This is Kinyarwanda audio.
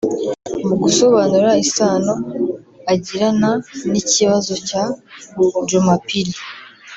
Mu gusobanura isano agirana n’ikibazo cya Djumapili